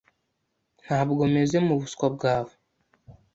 Ntabwo meze mubuswa bwawe, .